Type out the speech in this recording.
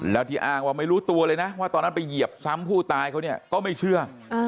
แล้วที่อ้างว่าไม่รู้ตัวเลยนะว่าตอนนั้นไปเหยียบซ้ำผู้ตายเขาเนี่ยก็ไม่เชื่อ